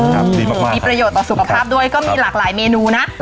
ครับดีมากมากมีประโยชน์ต่อสุขภาพด้วยก็มีหลากหลายเมนูนะครับ